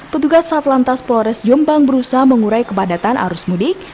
petugas satelantas polores jombang berusaha mengurai kepadatan arus mudik